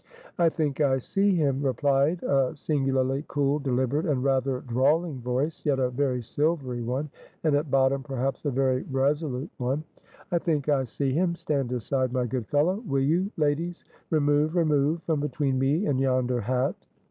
"I think I see him," replied a singularly cool, deliberate, and rather drawling voice, yet a very silvery one, and at bottom perhaps a very resolute one; "I think I see him; stand aside, my good fellow, will you; ladies, remove, remove from between me and yonder hat."